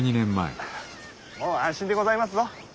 もう安心でございますぞ。